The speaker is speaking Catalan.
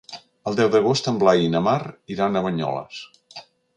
El deu d'agost en Blai i na Mar iran a Banyoles.